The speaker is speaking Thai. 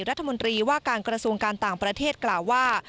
รัฐมนตรีว่าการกระทรวงการต่างประเทศกล่าวว่า